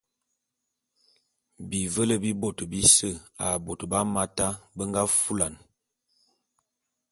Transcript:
Bivele bi bôt bise a bôt bé Hamata be nga fulane.